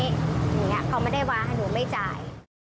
อย่างนี้เขาไม่ได้วางให้หนูไม่จ่าย